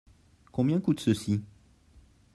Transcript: Combien coûte ceci ?